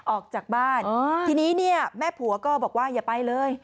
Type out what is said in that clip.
ออกจากบ้านทีนี้เนี่ยแม่ผัวก็บอกว่าอย่าไปเลย